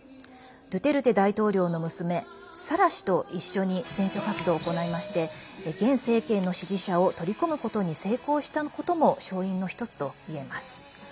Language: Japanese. ドゥテルテ大統領の娘、サラ氏と一緒に選挙活動を行いまして現政権の支持者を取り込むことに成功したことも勝因の一つといえます。